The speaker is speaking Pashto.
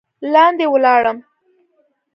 لاندې ولاړم.